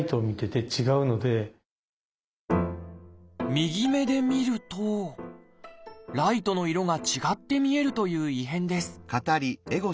右目で見るとライトの色が違って見えるという異変です。